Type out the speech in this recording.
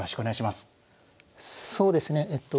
そうですねえっと